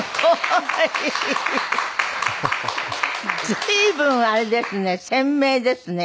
随分あれですね。